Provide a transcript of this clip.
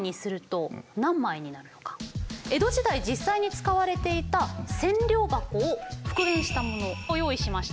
江戸時代実際に使われていた千両箱を復元したものを用意しました。